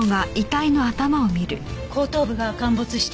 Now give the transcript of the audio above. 後頭部が陥没している。